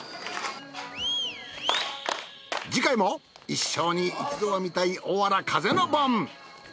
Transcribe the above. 次回も一生に一度は見たいおわら風の盆。